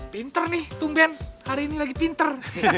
pinter nih tumben hari ini lagi pinter